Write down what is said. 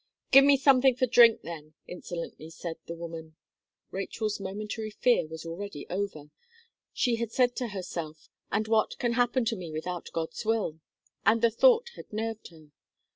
"Give me something for drink then," insolently said the woman. Rachel's momentary fear was already over; she had said to herself, "and what can happen to me without God's will?" and the thought had nerved her.